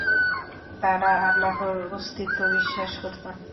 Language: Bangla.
তারা আল্লাহর অস্তি ত্ব বিশ্বাস করত।